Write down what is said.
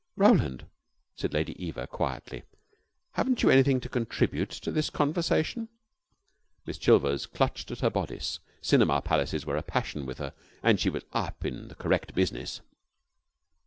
"Roland," said Lady Eva, quietly, "haven't you anything to contribute to this conversation?" Miss Chilvers clutched at her bodice. Cinema palaces were a passion with her, and she was up in the correct business.